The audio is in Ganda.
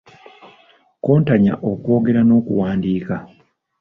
Kontanya okwogera n'okuwandiika.